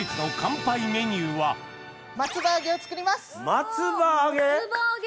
松葉揚げ？